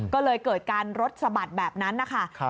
ก็เลยเกิดการรถสะบัดแบบนั้นนะคะ